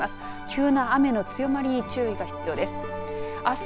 急な雨の強まりに注意が必要です。